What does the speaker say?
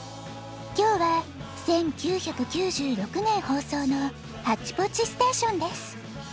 きょうは１９９６ねんほうそうの「ハッチポッチステーション」です。